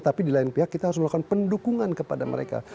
tapi di lain pihak kita harus melakukan pendukungan kepada mereka